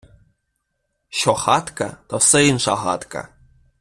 Що хатка, то все инша гадка.